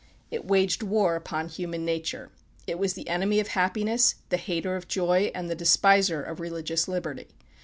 It waged war upon human nature. It was the enemy of happiness, the hater of joy, and the despiser of religious liberty.